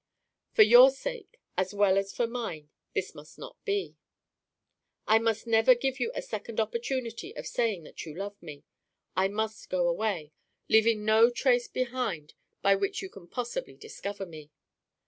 For your sake, as well as for mine, this mu st not be. I must never give you a second opportunity of saying that you love me; I must go away, leaving no trace behind by which you can possibly discover me.